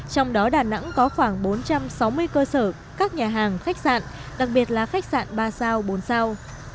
trong đó đà nẵng có khoảng bốn trăm sáu mươi cơ sở các nhà hàng khách sạn đặc biệt là khách sạn ba sao bốn sao